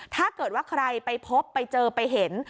ถ้าเกิดว่าใครไปพบไปเจอไปเห็น